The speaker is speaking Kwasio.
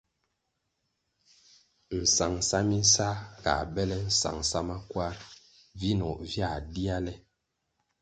Nsangʼsa minsā ga bele nsangʼsa makwar, vinoh via dia le.